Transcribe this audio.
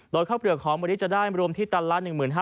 โดยข้าวเปลือกของวันนี้จะได้รวมที่ตันละ๑๕๐๐